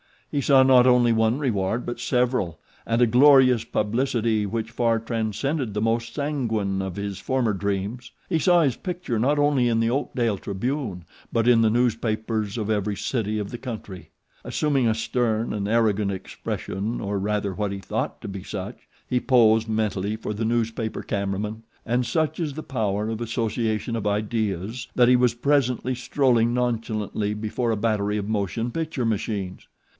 He saw not only one reward but several and a glorious publicity which far transcended the most sanguine of his former dreams. He saw his picture not only in the Oakdale Tribune but in the newspapers of every city of the country. Assuming a stern and arrogant expression, or rather what he thought to be such, he posed, mentally, for the newspaper cameramen; and such is the power of association of ideas that he was presently strolling nonchalantly before a battery of motion picture machines.